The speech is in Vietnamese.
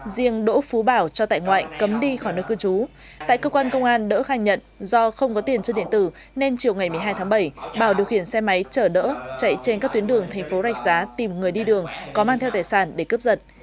riêng đỗ phú bảo cho tại ngoại cấm đi khỏi nơi cư trú tại cơ quan công an đỡ khai nhận do không có tiền chơi điện tử nên chiều ngày một mươi hai tháng bảy bảo điều khiển xe máy chở đỡ chạy trên các tuyến đường thành phố rạch giá tìm người đi đường có mang theo tài sản để cướp giật